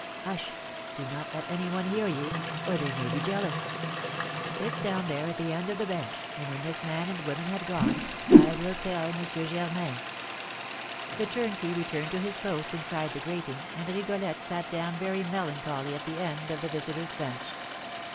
"Hush! Do not let any one hear you, or they may be jealous. Sit down there at the end of the bench, and when this man and woman have gone, I will tell M. Germain." The turnkey returned to his post inside the grating, and Rigolette sat down very melancholy at the end of the visitors' bench.